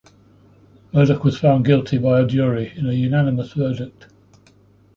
Murdoch was found guilty by a jury in a unanimous verdict.